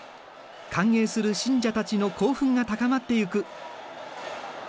歓迎する信者たちの興奮が高まっていく。